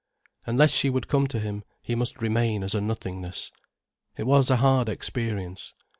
Unless she would come to him, he must remain as a nothingness. It was a hard experience.